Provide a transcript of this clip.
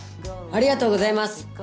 ありがとうございます！